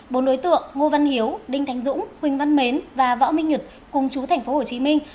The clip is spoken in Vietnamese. bốn đối tượng ngô văn hiếu đinh thánh dũng huỳnh văn mến và võ minh nhật cùng chú thành phố hồ chí minh